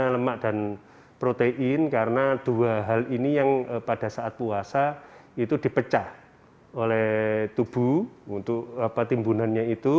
karena lemak dan protein karena dua hal ini yang pada saat puasa itu dipecah oleh tubuh untuk timbunannya itu